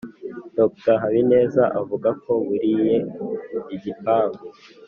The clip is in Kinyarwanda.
dr habineza avuga ko buriye igipangu,